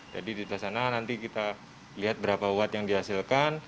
jadi di sebelah sana nanti kita lihat berapa watt yang dihasilkan